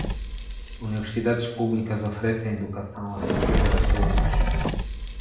Universidades públicas oferecem educação acessível a todos.